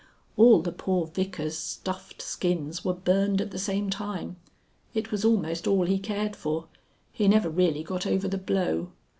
"All the poor Vicar's stuffed skins were burned at the same time. It was almost all he cared for. He never really got over the blow.